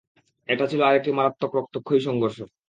এটা ছিল আরেকটি মারাত্মক রক্তক্ষয়ী সংঘর্ষ।